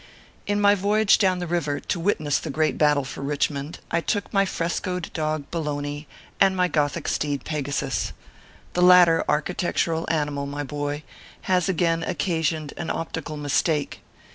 In my voyage down the river, to witness the great battle for Kichniond, I took my frescoed dog, Bologna, and my gothic steed, Pegasus. The latter architec tural animal, my boy, has again occasioned an optical mistake.